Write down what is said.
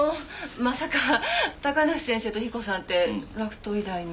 まさか高梨先生と彦さんって洛東医大の。